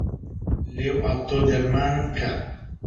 لێو ئاڵ تۆ دەرمانم کە